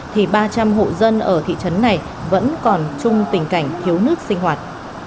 thì ba trăm linh hộ dân ở thị trấn này vẫn còn chung tình cảnh thiếu nước sinh hoạt